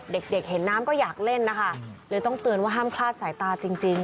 เด็กเด็กเห็นน้ำก็อยากเล่นนะคะเลยต้องเตือนว่าห้ามคลาดสายตาจริง